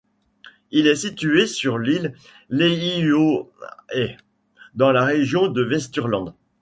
Il est situé sur l'île d'Elliðaey, dans la région de Vesturland.